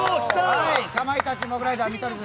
かまいたちモグライダー見取り図